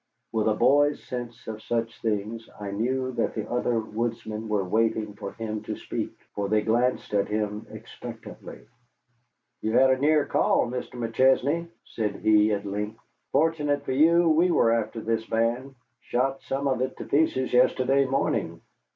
With a boy's sense of such things I knew that the other woodsmen were waiting for him to speak, for they glanced at him expectantly. "You had a near call, McChesney," said he, at length; "fortunate for you we were after this band, shot some of it to pieces yesterday morning."